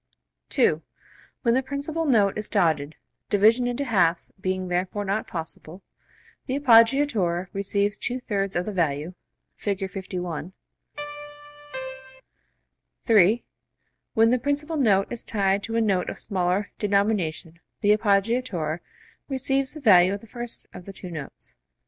(2) When the principal note is dotted (division into halves being therefore not possible), the appoggiatura receives two thirds of the value. (Fig. 51.) (3) When the principal note is tied to a note of smaller denomination the appoggiatura receives the value of the first of the two notes.